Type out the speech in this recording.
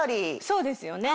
そうですよね。